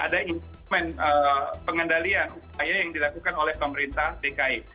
ada instrumen pengendalian upaya yang dilakukan oleh pemerintah dki